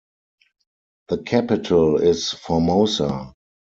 The capital is Formosa.